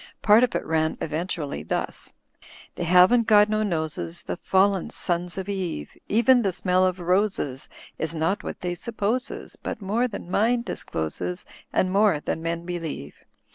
Part of it ran eventually thus: — '*They haven't got no noses The fallen sons of Eve, Even the smell of roses Is not what they supposes. But more than mind discloses. And more than men believe.